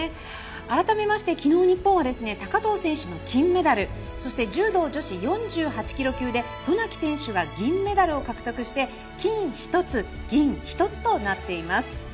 改めまして昨日日本は高藤さんの金メダルそして、柔道女子４８ｋｇ級で渡名喜選手が銀メダルを獲得して金１つ、銀１つとなっています。